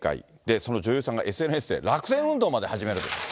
その女優さんがＳＮＳで落選運動まで始めると。